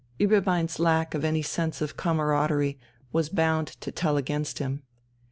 Ueberbein's lack of any sense of camaraderie was bound to tell against him.